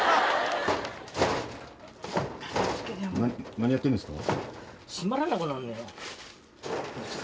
何やってるんですか？